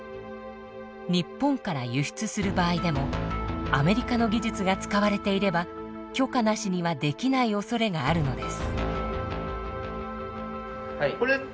日本から輸出する場合でもアメリカの技術が使われていれば許可なしにはできないおそれがあるのです。